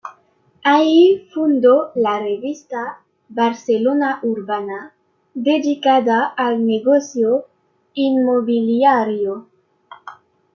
Allí fundó la revista "Barcelona Urbana", dedicada al negocio inmobiliario.